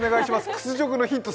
屈辱のヒント